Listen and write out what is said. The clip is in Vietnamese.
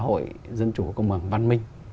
xã hội dân chủ công bằng văn minh